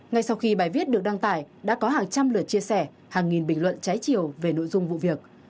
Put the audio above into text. ngay sau khi bài viết được đăng tải đã có hàng trăm lượt chia sẻ hàng nghìn bình luận trái chiều về nội dung vụ việc